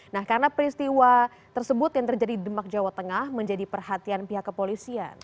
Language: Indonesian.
nah karena peristiwa tersebut yang terjadi di demak jawa tengah menjadi perhatian pihak kepolisian